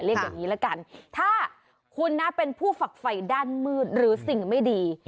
อย่างนี้ละกันถ้าคุณนะเป็นผู้ฝักไฟด้านมืดหรือสิ่งไม่ดี